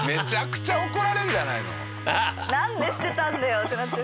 なんで捨てたんだよってなっちゃう。